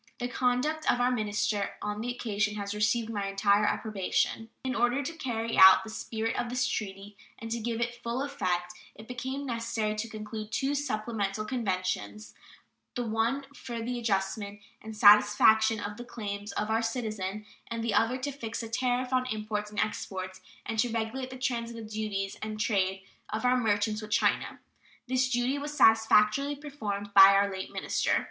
The conduct of our minister on the occasion has received my entire approbation. In order to carry out the spirit of this treaty and to give it full effect it became necessary to conclude two supplemental conventions, the one for the adjustment and satisfaction of the claims of our citizens and the other to fix the tariff on imports and exports and to regulate the transit duties and trade of our merchants with China. This duty was satisfactorily performed by our late minister.